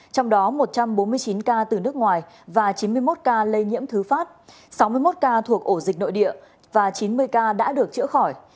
trong đó một trăm bốn mươi chín ca từ nước ngoài và chín mươi một ca lây nhiễm thứ phát sáu mươi một ca thuộc ổ dịch nội địa và chín mươi ca đã được chữa khỏi